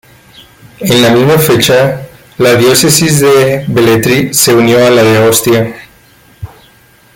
En la misma fecha, la diócesis de Velletri se unió a la de Ostia.